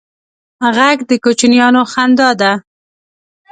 غږ د کوچنیانو خندا ده